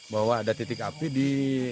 bahwa ada titik api di